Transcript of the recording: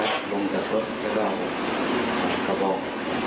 มาแล้วตรงจากรถแล้วก็เอาข้าวบ้อง